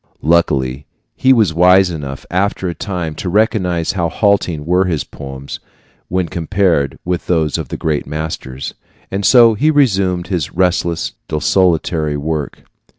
Luckily, he was wise enough, after a time, to recognize how halting were his poems when compared with those of the great masters; and so he resumed his restless, desultory work.